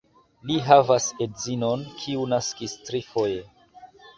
Li havas edzinon, kiu naskis trifoje.